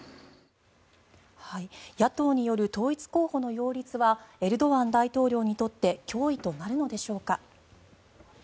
野党による統一候補の擁立はエルドアン大統領にとって脅威となるのでしょうか。